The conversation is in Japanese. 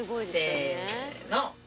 せの！